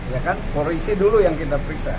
ya kan polisi dulu yang kita periksa